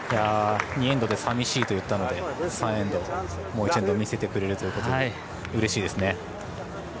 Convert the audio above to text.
２エンドでさみしいといったので３エンド、もう１エンド見せてくれるということでうれしいですね。